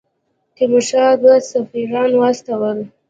تیمورشاه دوه سفیران واستول.